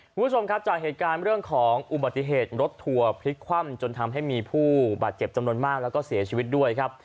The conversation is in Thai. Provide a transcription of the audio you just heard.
คุณผู้ชมครับจากเหตุการณ์เรื่องของอุบัติเหตุรถทัวร์พลิกคว่ำจนทำให้มีผู้บาดเจ็บจำนวนมากแล้วก็เสียชีวิตด้วยครับ